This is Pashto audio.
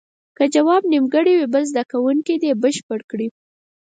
که ځواب نیمګړی وي بل زده کوونکی دې بشپړ کړي.